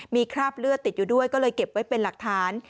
มีคราบเลือดติดอยู่ด้วยก็เลยเก็บไว้เป็นหลักฐาน